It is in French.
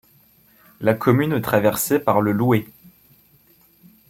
La commune est traversée par le Louet.